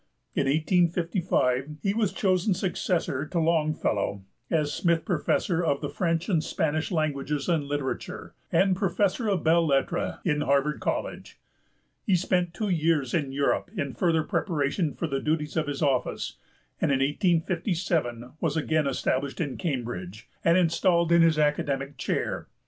In 1855 he was chosen successor to Longfellow as Smith Professor of the French and Spanish Languages and Literature, and Professor of Belles Lettres in Harvard College. He spent two years in Europe in further preparation for the duties of his office, and in 1857 was again established in Cambridge, and installed in his academic chair.